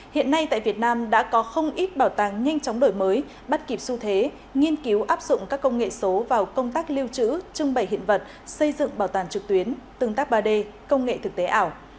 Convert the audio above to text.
hiện nay tại việt nam đã có không ít bảo tàng nhanh chóng đổi mới bắt kịp xu thế nghiên cứu áp dụng các công nghệ số vào công tác lưu trữ trưng bày hiện vật xây dựng bảo tàng trực tuyến tương tác ba d công nghệ thực tế ảo